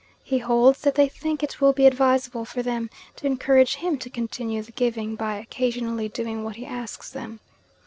He holds that they think it will be advisable for them to encourage him to continue the giving by occasionally doing what he asks them.